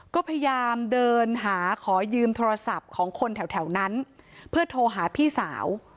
ก็พยายามเดินหาขอยืมโทรศัพท์ของคนแถวนั้นเพื่อโทรหาพี่สาว